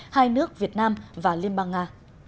hai nước việt nam và liên bang nga